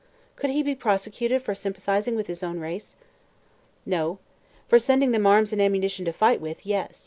"Could he be prosecuted for sympathizing with his own race?" "No; for sending them arms and ammunition to fight with, yes.